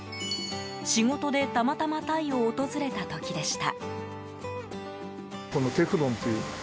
仕事でたまたまタイを訪れた時でした。